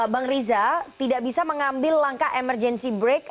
bang riza tidak bisa mengambil langkah emergency break